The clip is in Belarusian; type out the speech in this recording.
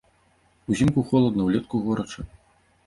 Узімку халодна, улетку горача.